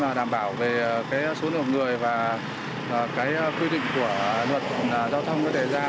và luôn đảm bảo an toàn cho người hành khách và mọi thứ trên đường